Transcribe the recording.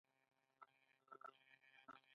آیا ولور په ځینو سیمو کې د پښتنو دود نه دی؟